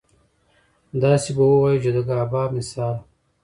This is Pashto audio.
داسې به اووايو چې د ګابا مثال